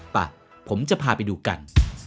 ไปผมจะพาไปดูกัน